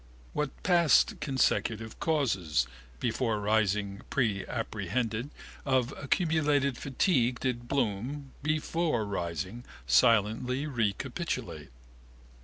What past consecutive causes, before rising preapprehended, of accumulated fatigue did Bloom, before rising, silently recapitulate?